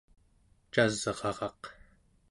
casraraq